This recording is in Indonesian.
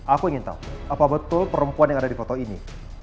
aku ingin tahu apa betul perempuan yang ada di foto ini